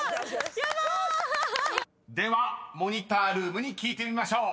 ［ではモニタールームに聞いてみましょう］